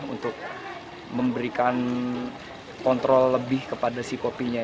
untuk memberikan kontrol lebih kepada si kopinya